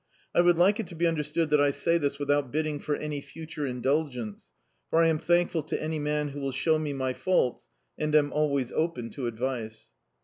I would like it to be understood that I say this without bidding for any future indulgence; for I am thankful to any man who will show me my faults, and am always open to advice.